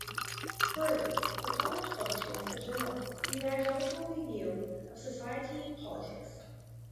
Further, the college publishes a journal Evangelical Review of Society and Politics.